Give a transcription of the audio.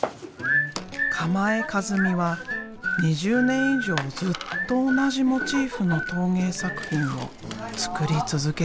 鎌江一美は２０年以上ずっと同じモチーフの陶芸作品を作り続けている。